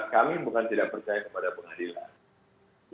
kami bukan tidak percaya kepada pengadilan